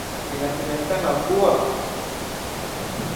Inasemekana kuwa